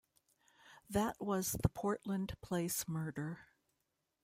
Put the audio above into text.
That was the Portland Place murder.